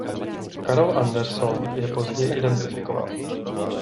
Carroll Anderson je později identifikoval.